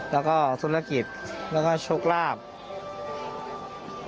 แล้วก็ธุรกิจแล้วก็โชคลาภ